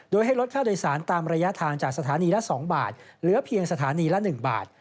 โดยให้ลดค่าโดยสารตามระยะทางจากสถานีละ๒บาทเหลือเพียงสถานีละ๑บาท